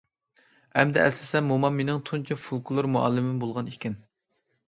ئەمدى ئەسلىسەم، مومام مېنىڭ تۇنجى فولكلور مۇئەللىمىم بولغانىكەن.